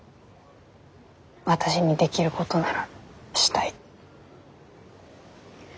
私にできることならしたい。